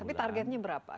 tapi targetnya berapa